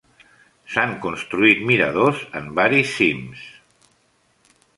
S'han construït miradors en varis cims.